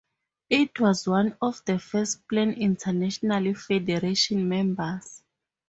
It was one of the first Plan International federation members.